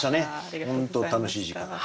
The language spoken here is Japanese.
本当楽しい時間だった。